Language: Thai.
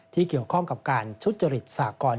ที่เกี่ยวข้องกับการทุจริตสากร